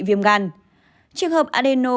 viêm gan trường hợp adeno